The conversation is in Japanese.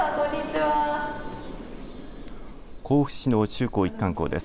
甲府市の中高一貫校です。